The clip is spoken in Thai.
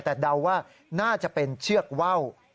แต่เดาว่าน่าจะเป็นเชือกว่าว